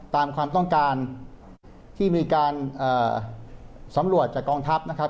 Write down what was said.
ตามความต้องการที่มีการสำรวจจากกองทัพนะครับ